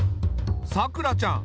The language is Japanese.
さくらちゃん